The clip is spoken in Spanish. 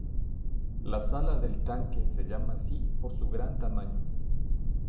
La Sala del Tanque se llama así por su gran tamaño.